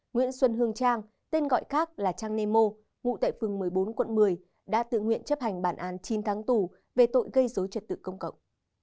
nguyễn xuân hương trang tên gọi khác là trang nemo ngụ tại phường một mươi bốn quận một mươi đã tự nguyện chấp hành bản án chín tháng tù về tội gây dối trật tự công cộng